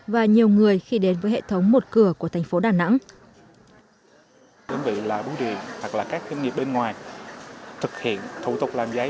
và nhiều người khi đến với hệ thống một cửa của thành phố đà nẵng